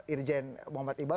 irjen muhammad ibal